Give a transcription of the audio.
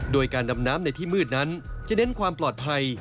โดยการดำน้ำในที่มืดนั้นจะเน้นความปลอดภัย